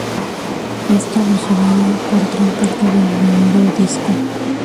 Esto los llevará por gran parte del Mundodisco.